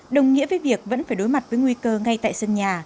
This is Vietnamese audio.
đồng nghĩa với việc vẫn phải đối mặt với nguy cơ ngay tại sân nhà